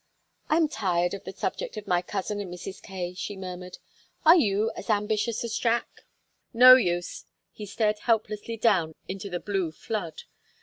"I am tired of the subject of my cousin and Mrs. Kaye," she murmured. "Are you as ambitious as Jack?" "No use." He stared helplessly down into the blue flood.